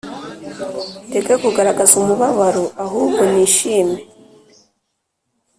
ndeke kugaragaza umubabaro ahubwo nishime’,